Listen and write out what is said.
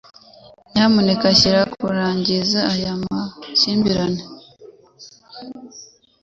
Nyamuneka shyira kurangiza aya makimbirane.